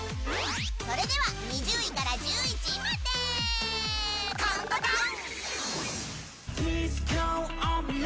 それでは２０位から１１位までカウントダウン！